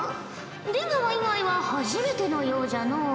出川以外は初めてのようじゃのう。